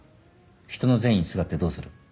人の善意にすがってどうする。